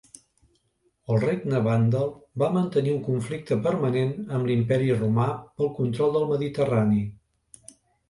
El Regne vàndal va mantenir un conflicte permanent amb l'Imperi romà pel control del Mediterrani.